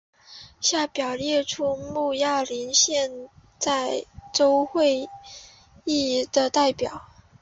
下表列出慕亚林县在州议会的代表。